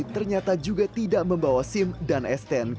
ternyata juga tidak membawa sim dan stnk